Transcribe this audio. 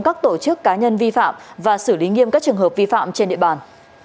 các tổ chức cá nhân vi phạm và xử lý nghiêm các trường hợp vi phạm trên địa bàn